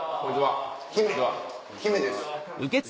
姫姫です。